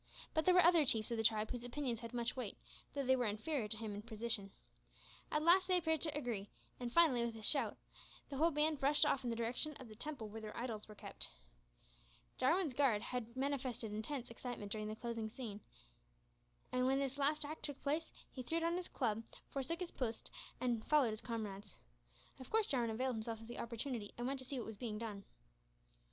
But there were other chiefs of the tribe whose opinions had much weight, though they were inferior to him in position. At last they appeared to agree, and finally, with a loud shout, the whole band rushed off in the direction of the temple where their idols were kept. Jarwin's guard had manifested intense excitement during the closing scene, and when this last act took place he threw down his club, forsook his post, and followed his comrades. Of course Jarwin availed himself of the opportunity, and went to see what was being done.